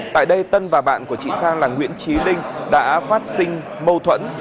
tại đây tân và bạn của chị sang là nguyễn trí linh đã phát sinh mâu thuẫn